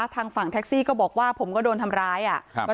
ทางฝั่งแท็กซี่ก็บอกว่าผมก็โดนทำร้ายอ่ะครับ